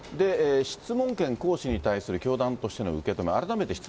質問権行使に対する教団としての受け止め。